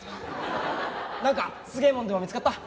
なんかすげえもんでも見つかった？